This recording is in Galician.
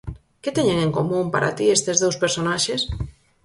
Que teñen en común, para ti, estes dous personaxes?